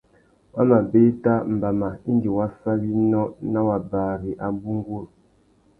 Wa mà bēta mbama indi wa fá winô nà wabari abú nguru.